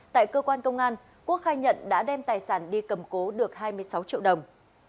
tại cơ quan công an quốc khai nhận đã đem tài sản đi cầm cố được hai mươi sáu triệu đồng